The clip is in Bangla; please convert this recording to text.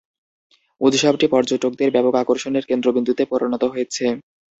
উৎসবটি পর্যটকদের ব্যাপক আকর্ষণের কেন্দ্রবিন্দুতে পরিণত হয়েছে।